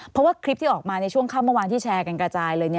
เพราะว่าคลิปที่ออกมาในช่วงค่ำเมื่อวานที่แชร์กันกระจายเลย